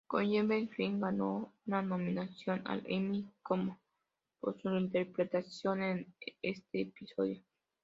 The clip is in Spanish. Colleen Flynn ganó una nominación al Emmy como por su interpretación en este episodio.